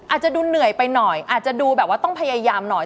อาจจะดูเหนื่อยไปหน่อยอาจจะดูแบบว่าต้องพยายามหน่อย